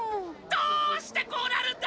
どうしてこうなるんだ！